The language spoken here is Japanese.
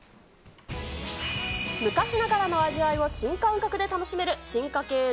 昔ながらの味を新感覚で楽しめる進化系